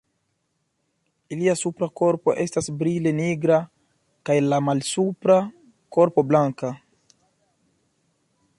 Ilia supra korpo estas brile nigra kaj la malsupra korpo blanka.